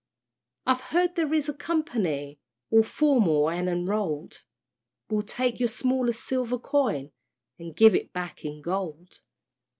I've heard there is a Company All formal and enroll'd, Will take your smallest silver coin And give it back in gold.